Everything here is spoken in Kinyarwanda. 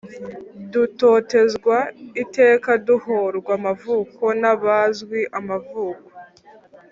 Dutotezwa iteka Duhorwa amavuko N’abazwi amavuko !